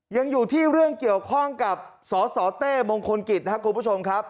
ยังอยู่ที่เรื่องเกี่ยวข้องกับสสเต้มงคลกิจนะครับคุณผู้ชมครับ